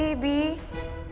aku akan mencari dia